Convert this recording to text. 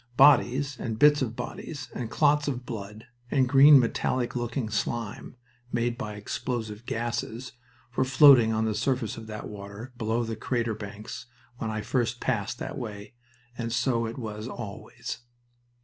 Bodies, and bits of bodies, and clots of blood, and green metallic looking slime, made by explosive gases, were floating on the surface of that water below the crater banks when I first passed that way, and so it was always.